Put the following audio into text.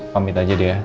pamit aja dia